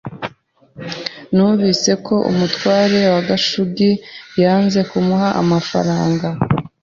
Numvise ko umutware wa Gashugi yanze kumuha amafaranga.